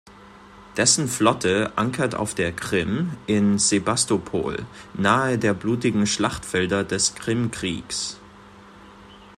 Dessen Flotte ankert auf der Krim in Sebastopol, nahe der blutigen Schlachtfelder des Krimkriegs.